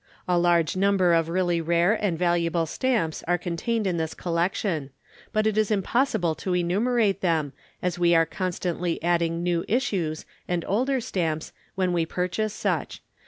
A large number of really rare and valuable Stamps are contained in this collection; but it is impossible to enumerate them, as we are constantly adding New Issues and Older Stamps when we purchase such.